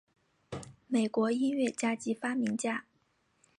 美国音乐家及发明家。